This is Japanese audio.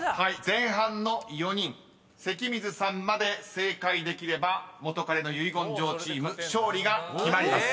［前半の４人関水さんまで正解できれば元彼の遺言状チーム勝利が決まります］